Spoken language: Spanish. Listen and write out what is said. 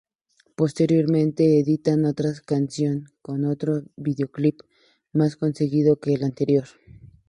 Posteriormente editan otra canción con otro videoclip, más conseguido que el anterior.